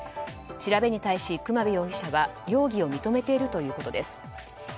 調べに対し隈部容疑者は容疑を認めているということです。